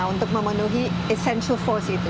untuk memenuhi essential force itu